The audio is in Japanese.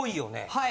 はい。